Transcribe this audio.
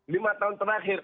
lima tahun terakhir